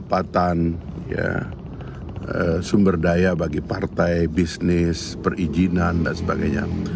pendapatan sumber daya bagi partai bisnis perizinan dan sebagainya